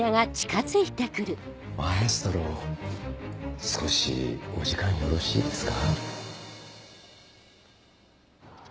マエストロ少しお時間よろしいですか？